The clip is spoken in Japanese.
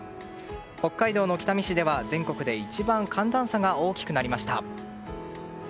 北海道の北見市では全国で一番寒暖差が大きくなりました。